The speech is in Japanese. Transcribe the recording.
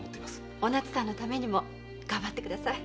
お奈津さんのためにもがんばってください。